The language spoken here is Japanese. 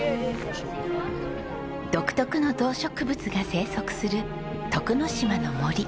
独特の動植物が生息する徳之島の森。